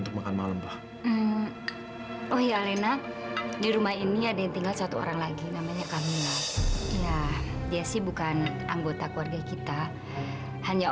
sampai jumpa di video selanjutnya